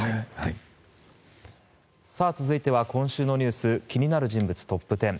続いては、今週のニュース気になる人物トップ１０。